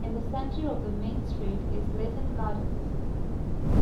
In the centre of the main street is Leighton Gardens.